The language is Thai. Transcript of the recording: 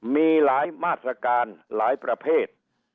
มีหลายมาตรการหลายประเภท